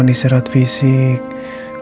kamu bisa tenangin pikiran kamu dede